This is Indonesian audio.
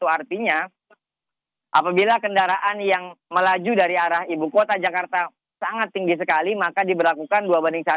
artinya apabila kendaraan yang melaju dari arah ibu kota jakarta sangat tinggi sekali maka diberlakukan dua banding satu